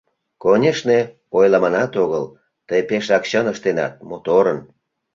Конешне, ойлыманат огыл, тый пешак чын ыштенат, моторын.